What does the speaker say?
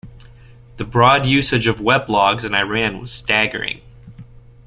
The broad usage of weblogs in Iran was staggering.